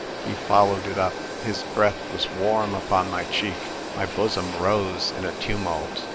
He followed it up. His breath was warm upon my cheek. My bosom rose in a tumult.